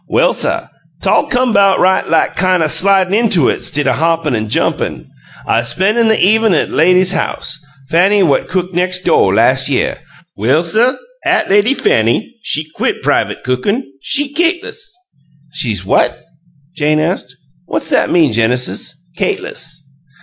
"Well, suh, 'tall come 'bout right like kine o' slidin' into it 'stid o' hoppin' an' jumpin'. I'z spen' the even' at 'at lady's house, Fanny, what cook nex' do', las' year. Well, suh, 'at lady Fanny, she quit privut cookin', she kaytliss " "She's what?" Jane asked. "What's that mean, Genesis kaytliss?"